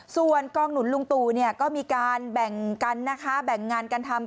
ส่วนกองหนุนลุงตู่ก็มีการแบ่งงานการทำ